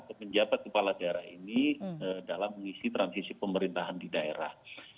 atau penjabat kepala daerah ini dalam mengisi transisi pemerintahan di daerah